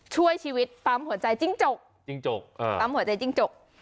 ช่วยชีวิตปั๊มหัวใจจิ้งจกจิ้งจกปั๊มหัวใจจิ้งจก